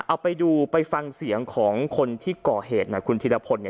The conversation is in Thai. เอาไปดูไปฟังเสียงของคนที่เกาะเหตุคุณธิรพนบาทย์เนี้ย